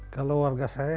kalau warga saya